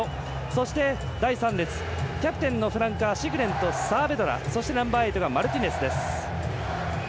そして、第３列キャプテンのフランカーシグレンと、サアベドラマルティネスです。